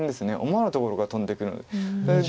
思わぬところから飛んでくるので。